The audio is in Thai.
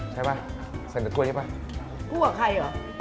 ใช้ปะใส่ในถ้วยใช่ปะกลัวใครอ่ะ